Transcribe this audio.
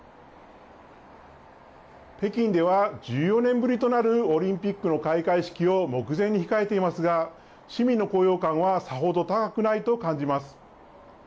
北京では１４年ぶりとなるオリンピックの開会式を目前に控えていますが、市民の高揚感はさほど高くないと感じます。